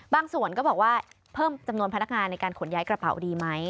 ส่วนก็บอกว่าเพิ่มจำนวนพนักงานในการขนย้ายกระเป๋าดีไหม